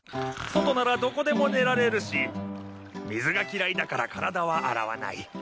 外ならどこでも寝られるし水が嫌いだから体は洗わない。